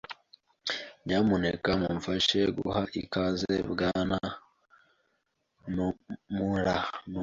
Nyamuneka mumfashe guha ikaze Bwana Nomura.